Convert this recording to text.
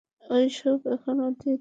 ঐ শোক এখন অতীত।